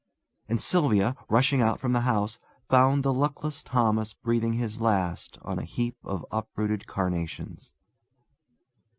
And Sylvia, rushing out from the house, found the luckless Thomas breathing his last on a heap of uprooted carnations.